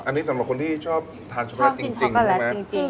อันนี้สำหรับคนที่ชอบทานชำระจริงใช่ไหม